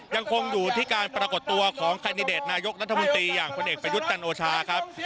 ยังคงอยู่ที่การปรากฏตัวของแคนดิเดตนายกรัฐมนตรีอย่างพลเอกประยุทธ์จันโอชาครับ